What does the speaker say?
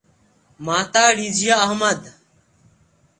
Mata Rizia Ahmad.